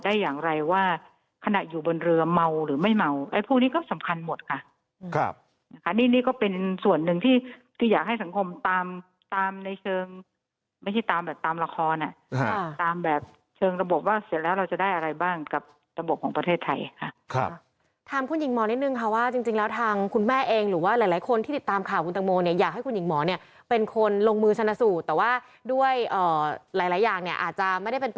แต่ตามละครน่ะอ่าตามแบบเชิงระบบว่าเสร็จแล้วเราจะได้อะไรบ้างกับระบบของประเทศไทยค่ะครับถามคุณหญิงหมอนิดหนึ่งค่ะว่าจริงจริงแล้วทางคุณแม่เองหรือว่าหลายหลายคนที่ติดตามข่าวคุณตังโมเนี้ยอยากให้คุณหญิงหมอเนี้ยเป็นคนลงมือชนสูตรแต่ว่าด้วยเอ่อหลายหลายอย่างเนี้ยอาจจะไม่ได้เป็น